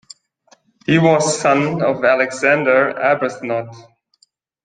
He was son of Alexander Arbuthnot.